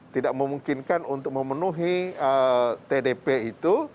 tidak memungkinkan untuk memenuhi tdp itu